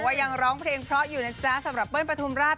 ยังร้องเพลงเพราะอยู่นะจ๊ะสำหรับเปิ้ลปฐุมราช